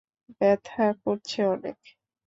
ব্যাথা করছে অনেক!